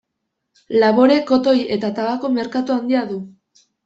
Labore-, kotoi- eta tabako-merkatu handia du.